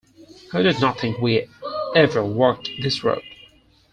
He did not think we ever walked this road.